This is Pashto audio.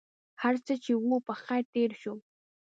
هرڅه چې و په خیر تېر شو.